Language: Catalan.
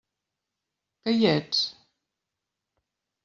Que hi ets?